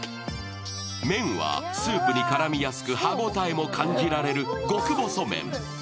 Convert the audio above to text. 麺はスープに絡みやすく歯応えも感じられる極細麺。